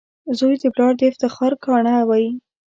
• زوی د پلار د افتخار ګاڼه وي.